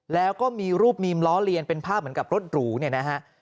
แล้วก็มีรูปมีมล้อเลียนเป็นภาพเหมือนกับรถหรูเนี่ยนะฮะ